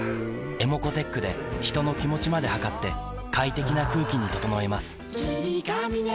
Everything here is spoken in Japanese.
ｅｍｏｃｏーｔｅｃｈで人の気持ちまで測って快適な空気に整えます